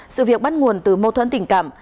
sự việc bắt nguồn từ mâu thuẫn tình cảm